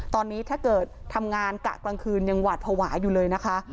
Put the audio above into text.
ตอนนี้ถ้าเกิดทำงานกะกลางคืนยังหวาดภาวะอยู่เลยนะคะ